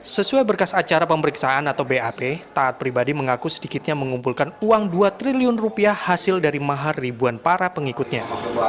sesuai berkas acara pemeriksaan atau bap taat pribadi mengaku sedikitnya mengumpulkan uang dua triliun rupiah hasil dari mahar ribuan para pengikutnya